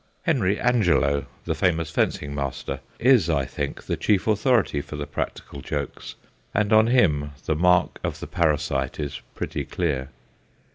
Henry Angelo, the famous fencing master, is, I think, the chief authority for the practical jokes, and on him the mark of the parasite is pretty clear.